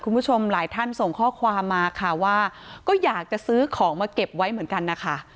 คุณผู้ชมหลายท่านส่งข้อความมาค่ะว่าก็อยากจะซื้อของมาเก็บไว้เหมือนกันนะคะ